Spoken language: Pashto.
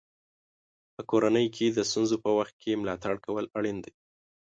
په کورنۍ کې د ستونزو په وخت کې ملاتړ کول اړین دي.